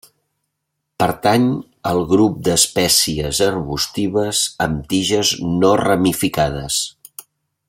Pertany al grup d'espècies arbustives amb tiges no ramificades.